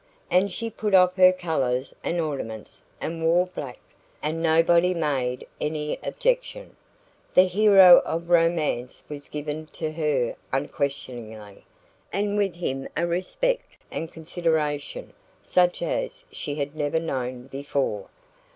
And she put off her colours and ornaments, and wore black, and nobody made any objection. The hero of romance was given to her unquestioningly, and with him a respect and consideration such as she had never known before.